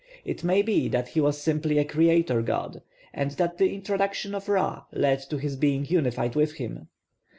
It may be that he was simply a creator god, and that the introduction of Ra led to his being unified with him.